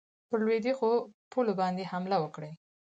پر لوېدیخو پولو باندي حمله وکړي.